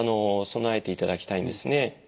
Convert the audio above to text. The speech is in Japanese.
備えていただきたいんですね。